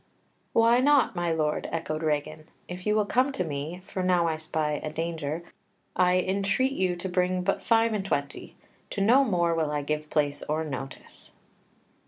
"Why not, my lord?" echoed Regan. "If you will come to me for now I spy a danger I entreat you to bring but five and twenty; to no more will I give place or notice."